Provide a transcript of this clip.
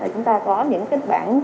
chúng ta có những kịch bản